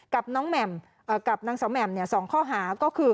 กับนางสาวแหม่ม๒ข้อหาก็คือ